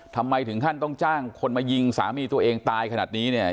ทำไมถึงขั้นต้องจ้างคนมายิงสามีตัวเองตายขนาดนี้เนี่ย